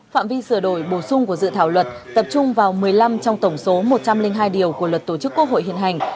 phạm vi sửa đổi bổ sung của dự thảo luật tập trung vào một mươi năm trong tổng số một trăm linh hai điều của luật tổ chức quốc hội hiện hành